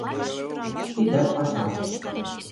Тидат паша.